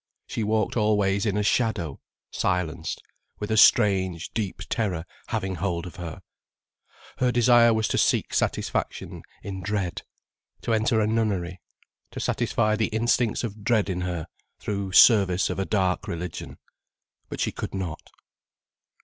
She walked always in a shadow, silenced, with a strange, deep terror having hold of her, her desire was to seek satisfaction in dread, to enter a nunnery, to satisfy the instincts of dread in her, through service of a dark religion. But she could not.